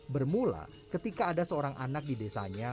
bermula ketika ada seorang anak di desanya